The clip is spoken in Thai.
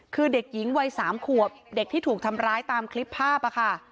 คือเด็กหญิงวัย๓ขวบเด็กที่ถูกทำร้ายตามคลิปภาพค่ะ